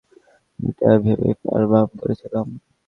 এটা ভেবেই power bump করেছিলাম।